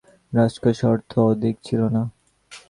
রাজকোষে অর্থ অধিক ছিল না।